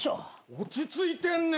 落ち着いてんね。